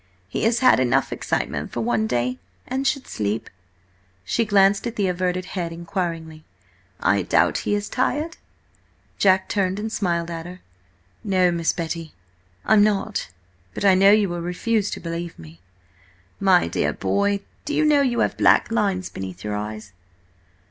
"He has had enough excitement for one day, and should sleep." She glanced at the averted head inquiringly. "I doubt he is tired?" Jack turned and smiled at her. "No, Miss Betty, I'm not. But I know you will refuse to believe me." "My dear boy, do you know you have black lines beneath your eyes?"